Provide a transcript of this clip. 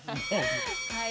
はい。